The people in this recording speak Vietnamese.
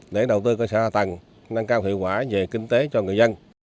để đầu tư cho xã hội hóa tầng nâng cao hiệu quả về kinh tế cho người dân